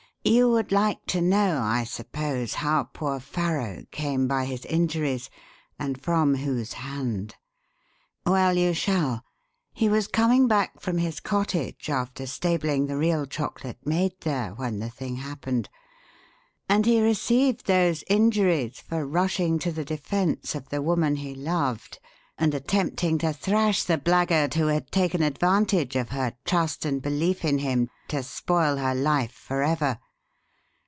"You would like to know, I suppose, how poor Farrow came by his injuries and from whose hand. Well, you shall. He was coming back from his cottage after stabling the real Chocolate Maid there when the thing happened; and he received those injuries for rushing to the defence of the woman he loved, and attempting to thrash the blackguard who had taken advantage of her trust and belief in him to spoil her life forever.